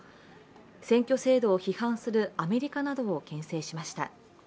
選挙制度を批判するアメリカなどをけん制しました。